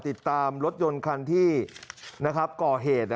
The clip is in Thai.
ติดตามรถยนต์คันที่ก่อเหตุ